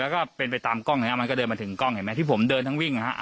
มันก็เดินมาถึงกล้องเห็นไหมที่ผมเดินทั้งวิ่งนะฮะ